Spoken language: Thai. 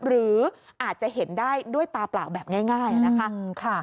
หรืออาจจะเห็นได้ด้วยตาเปล่าแบบง่ายนะคะ